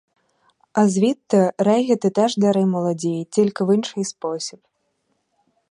А звідти — регіт і теж дари молодій, тільки в інший спосіб.